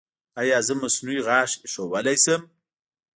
ایا زه مصنوعي غاښ ایښودلی شم؟